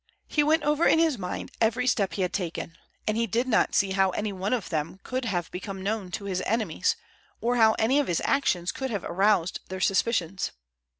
He went over in his mind every step he had taken, and he did not see how any one of them could have become known to his enemies, or how any of his actions could have aroused their suspicions.